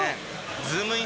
ズームイン！！